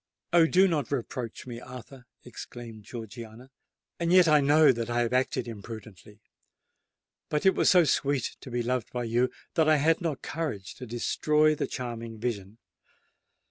"Oh! do not reproach me, Arthur!" exclaimed Georgiana: "and yet I know that I have acted imprudently. But it was so sweet to be beloved by you, that I had not courage to destroy the charming vision!